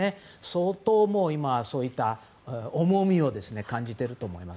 相当、今はそういった重みを感じていると思います。